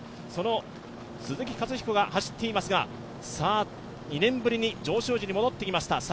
その鈴木勝彦が走っていますが、２年ぶりに上州路に戻ってきました。